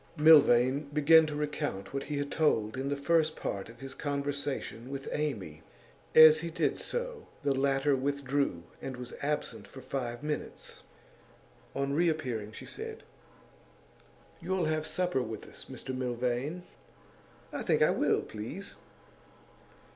Milvain began to recount what he had told in the first part of his conversation with Amy. As he did so, the latter withdrew, and was absent for five minutes; on reappearing she said: 'You'll have some supper with us, Mr Milvain?' 'I think I will, please.